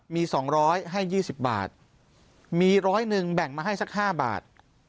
มี๒๐๐ให้๒๐บาทมี๑๐๑แบ่งมาให้สัก๕บาท